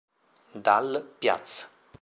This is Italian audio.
Dal Piaz